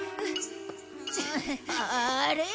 あれ？